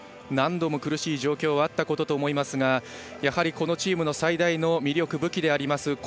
何度も苦しい状況はあったことと思いますがやはりこのチームの最大の魅力武器であります